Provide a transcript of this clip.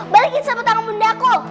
balikin sapu tangan bunda aku